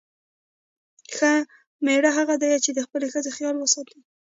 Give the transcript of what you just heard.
ښه میړه هغه دی چې د خپلې ښځې خیال وساتي.